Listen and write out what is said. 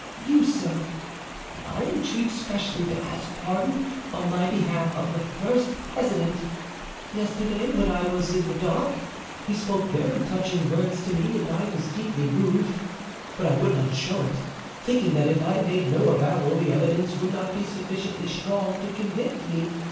You, Sir, I entreat specially to ask pardon on my behalf of the first president; yesterday, when I was in the dock, he spoke very touching words to me, and I was deeply moved; but I would not show it, thinking that if I made no avowal the evidence would not be sufficiently strong to convict me.